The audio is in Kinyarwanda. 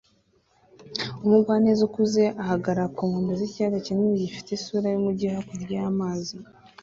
Umugwaneza ukuze ahagarara ku nkombe z'ikiyaga kinini gifite isura y'umujyi hakurya y'amazi